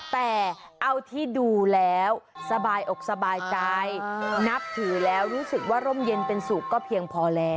แต่เอาที่ดูแล้วสบายอกสบายใจนับถือแล้วรู้สึกว่าร่มเย็นเป็นสุขก็เพียงพอแล้ว